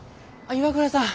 岩倉さん。